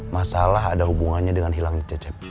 masalah ada hubungannya dengan hilangnya cecep